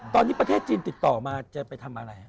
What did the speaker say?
ตอนนี้ประเทศจีนติดต่อมาจะไปทำอะไร